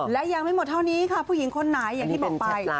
และยังไม่หมดเท่านี้ค่ะผู้หญิงคนไหนอย่างที่บอกไป